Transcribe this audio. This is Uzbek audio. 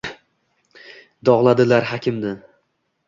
Dog’ladilar hakimni.